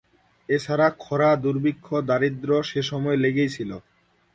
এছাড়া খরা, দুর্ভিক্ষ, দারিদ্র সেসময়ে লেগেই ছিল।